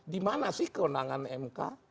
di mana sih kewenangan mk